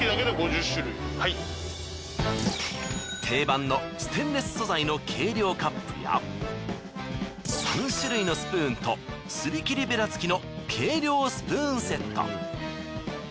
定番のステンレス素材の計量カップや３種類のスプーンとすりきりベラ付きの計量スプーンセット。